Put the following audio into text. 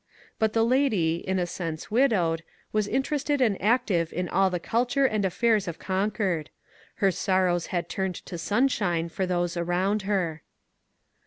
But the lady, in a sense widowed, was inter ested and active in all the culture and affairs of Concord ; her sorrows had turned to sunshine for those around her.